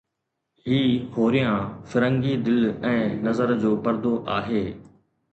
هي هوريان فرنگي دل ۽ نظر جو پردو آهي